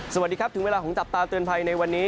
สวัสดีครับถึงเวลาของจับตาเตือนภัยในวันนี้